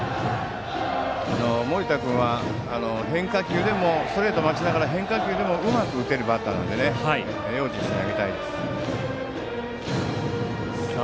森田君はストレートを待ちながら変化球でもうまく打てるバッターなので用心して投げたいですね。